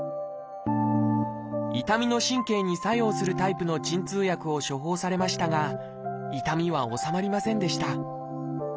痛みの神経に作用するタイプの鎮痛薬を処方されましたが痛みは治まりませんでした。